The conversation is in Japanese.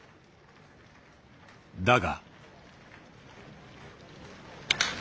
だが。